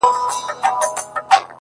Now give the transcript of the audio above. ځینې وخت دی یوازې حضور کافي وي